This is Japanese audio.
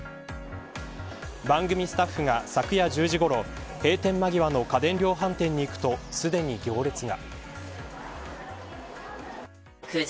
番組スタッフが昨夜１０時ごろ閉店間際の家電量販店に行くと、すでに行列が。